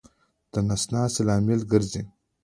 د نس ناستې لامل ګرځي.